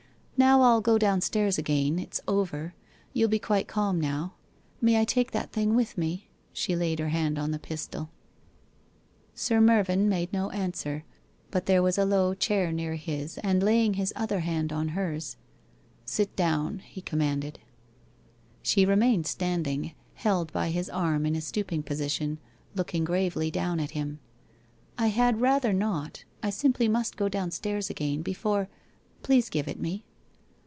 1 Now I'll go downstairs again, it's over. You'll be quite calm now. May I take that thing with me?' She laid her hand on the pistol. WHITE ROSE OF WEARY LEAF Sir M'Twn made no answer, but there was a low chair n. .1 r his. ami laying his other hand on hers: ' sit i low n !' he commanded. She remained standing, held by his arm in a stooping po sition. Looking gravely down on him. ' I had rather not. I simply must go downstairs again, before — please give it me.'